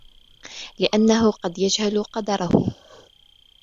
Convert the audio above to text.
لِأَنَّهُ قَدْ يَجْهَلُ قَدْرَهُ